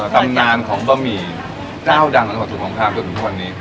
ตำนานของบะหมี่เจ้าดังสุของคามสุขของทุกคนนี้